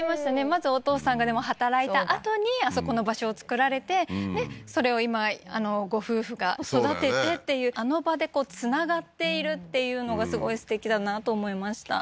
まずお父さんがでも働いたあとにあそこの場所を作られてでそれを今あのご夫婦が育ててっていうあの場でつながっているっていうのがすごいすてきだなと思いました